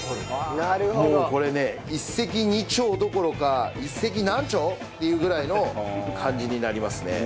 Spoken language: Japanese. もうこれね一石二鳥どころか一石何鳥っていうぐらいの感じになりますね。